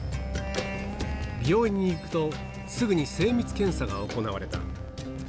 病院に行くと、すぐに精密検査が行われた。